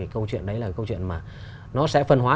câu chuyện đấy là câu chuyện mà nó sẽ phân hóa